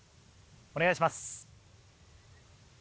お願いします。